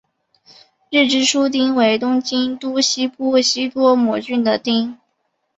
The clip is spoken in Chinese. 日之出町为东京都西部西多摩郡的町。